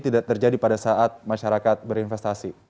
tidak terjadi pada saat masyarakat berinvestasi